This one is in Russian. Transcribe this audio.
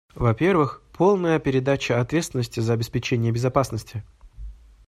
Во-первых, полная передача ответственности за обеспечение безопасности.